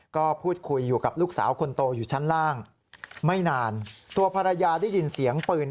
ก็พูดคุยอยู่กับลูกสาวคนโตอยู่ชั้นล่างไม่นานตัวภรรยาได้ยินเสียงปืน